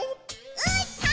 「うーたん！！！」